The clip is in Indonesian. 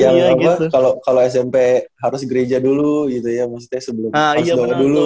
yang apa kalau smp harus gereja dulu gitu ya maksudnya sebelum harus bawa dulu